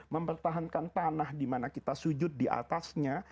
mempertahankan tanah dimana kita sujud diatasnya